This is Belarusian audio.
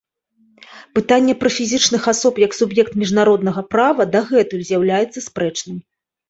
Пытанне пра фізічных асоб як суб'ект міжнароднага права дагэтуль з'яўляецца спрэчным.